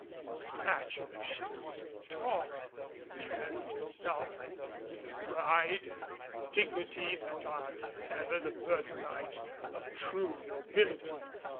In stature she was tall and carried herself with the pride and dignity that are ever the birthright of true nobility.